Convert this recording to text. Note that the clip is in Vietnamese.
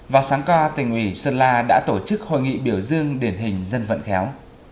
vào sáng qua tỉnh ủy sơn la đã tổ chức hội nghị biểu dương điển hình dân vận khéo